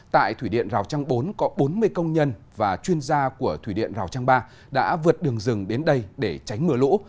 tại thủy điện rào trang bốn có bốn mươi công nhân và chuyên gia của thủy điện rào trang ba đã vượt đường rừng đến đây để tránh mưa lũ